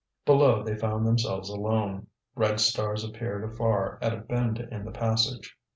Below they found themselves alone. Red stars disappeared afar at a bend in the passage.